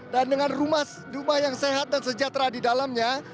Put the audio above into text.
dan dengan rumah yang sehat dan sejahtera di dalamnya